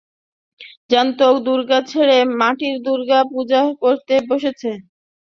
জ্যান্ত দুর্গা ছেড়ে মাটির দুর্গা পূজা করতে বসেছে।